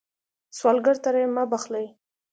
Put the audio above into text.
سوالګر ته رحم مه بخلئ